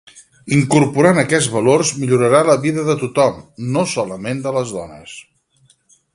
Incorporant aquests valors millorarà la vida de tothom, no solament de les dones.